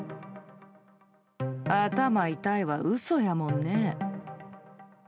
頭痛いは嘘やもんね。